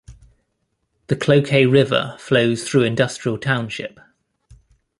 The Cloquet River flows through Industrial Township.